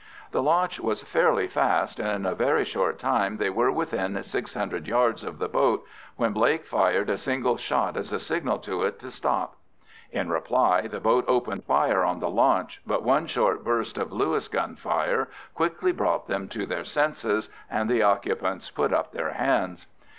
The launch was fairly fast, and in a very short time they were within 600 yards of the boat, when Blake fired a single shot as a signal to it to stop. In reply the boat opened fire on the launch, but one short burst of Lewis gun fire quickly brought them to their senses, and the occupants put up their hands.